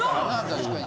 確かにな。